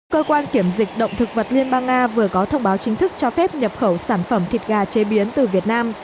cơ quan kiểm dịch động thực vật liên bang nga vừa có thông báo chính thức cho phép nhập khẩu sản phẩm thịt gà chế biến từ việt nam